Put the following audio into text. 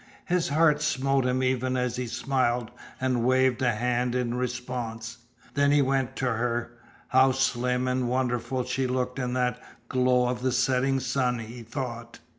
His heart smote him even as he smiled and waved a hand in response. Then he went to her. How slim and wonderful she looked in that glow of the setting sun, he thought.